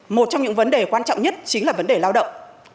một trong những vấn đề quan trọng nhất chính là vấn đề lao động